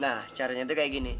nah caranya itu kayak gini